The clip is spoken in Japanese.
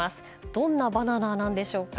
どんなバナナなんでしょうか。